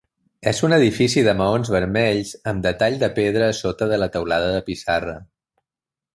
És un edifici de maons vermells amb detall de pedra a sota de la teulada de pissarra.